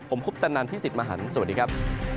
ผมคุปตะนันพี่สิทธิ์มหันฯสวัสดีครับ